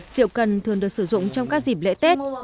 rượu cần thường được sử dụng trong các dịp lễ tết